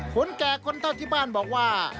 คนแก่คนเท่าที่บ้านบอกว่า